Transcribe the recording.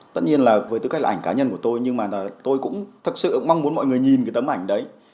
tất nhiên là với tư cách là ảnh cá nhân của tôi nhưng mà tôi cũng thật sự mong muốn mọi người nhìn cái tấm ảnh đấy